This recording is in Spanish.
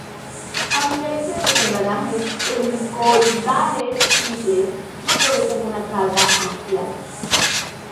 A diferencia de los engranajes helicoidales simples, no producen una carga axial.